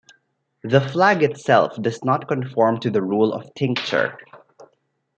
The flag itself does not conform to the rule of tincture.